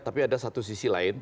tapi ada satu sisi lain